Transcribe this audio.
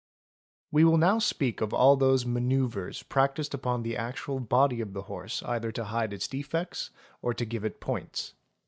We will now speak of all those manwuvres practised upon the actual body of the horse either to hide its defects or to give it points.